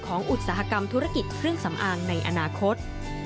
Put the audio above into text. อุตสาหกรรมธุรกิจเครื่องสำอางในอนาคต